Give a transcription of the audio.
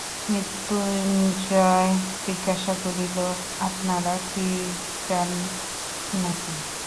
মৃত্যুঞ্জয় জিজ্ঞাসা করিল, আপনারা ক্রিশ্চান না কি?